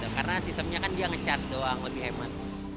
karena sistemnya kan dia nge charge doang lebih hemat